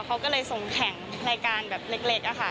เขาก็เลยส่งแข่งรายการแบบเล็กอะค่ะ